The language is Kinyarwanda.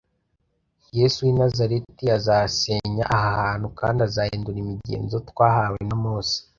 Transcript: Yesu w’i Nazareti azasenya aha hantu, kandi azahindura imigenzo twahawe na Mose.